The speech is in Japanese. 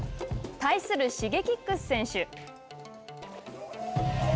対するＳｈｉｇｅｋｉｘ選手。